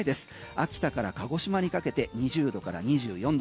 秋田から鹿児島にかけて２０度から２４度。